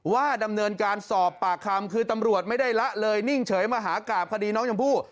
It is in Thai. ว่าดำเนินการสอบปากคำคือตำรวจไม่ได้ละเลยนิ่งเฉยมหากราบคดีน้องชมพู่